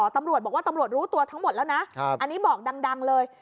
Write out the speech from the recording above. ตำรวจบอกว่าตำรวจรู้ตัวทั้งหมดแล้วนะอันนี้บอกดังเลย